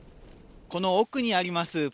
この奥にあります